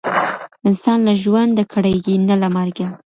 انسان له ژونده کړیږي نه له مرګه.